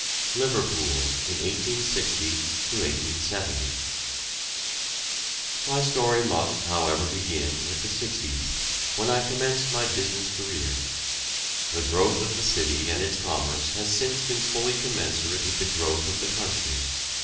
LIVERPOOL IN 1860 1870. My story must, however, begin with the 'sixties, when I commenced my business career. The growth of the city and its commerce has since been fully commensurate with the growth of the country.